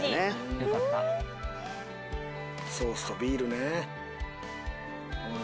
ソースとビールね。